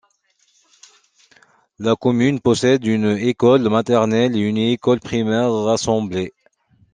La commune possède une école maternelle et une école primaire rassemblées.